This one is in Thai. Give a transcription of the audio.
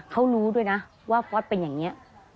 เขารู้ด้วยนะว่าฟอร์สเป็นอย่างนี้